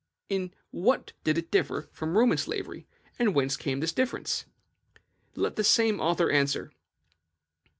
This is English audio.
In what did it differ from Roman slavery, and whence came this difference? Let the same author answer.